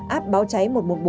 áp báo cháy một trăm một mươi bốn